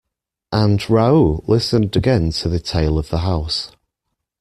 And Raoul listened again to the tale of the house.